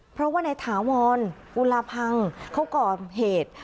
เพราะว่าในถาวรกุลาพังเขาก่อเหตุ